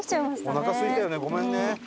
おなかすいたよねごめんね。